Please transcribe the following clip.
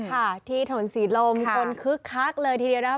ค่ะที่ถนนศรีลมคนคึกคักเลยทีเดียวนะครับ